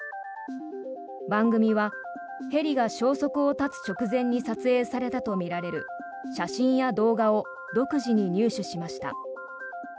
番組は、ヘリが消息を絶つ直前に撮影されたとみられる写真や動画を独自に入手しました。